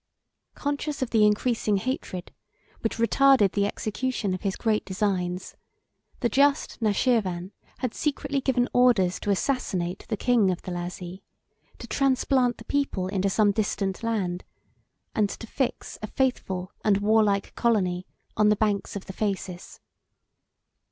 85 Conscious of the increasing hatred, which retarded the execution of his great designs, the just Nashirvan had secretly given orders to assassinate the king of the Lazi, to transplant the people into some distant land, and to fix a faithful and warlike colony on the banks of the Phasis.